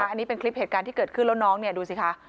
อันนี้เป็นคลิปเหตุการณ์ที่เกิดขึ้นแล้วน้องเนี่ยดูสิคะ